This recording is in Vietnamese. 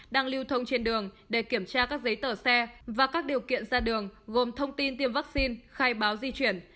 đang lưu thông trên đường để kiểm tra các giấy tờ xe và các điều kiện ra đường gồm thông tin tiêm vaccine khai báo di chuyển